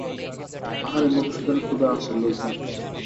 আহারে মধুসূদনের ক্ষুধা আছে, লোভ নেই।